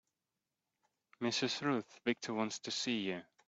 Mrs. Ruth Victor wants to see you.